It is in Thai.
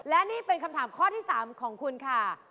และนี่เป็นคำถามข้อที่๓ของคุณค่ะ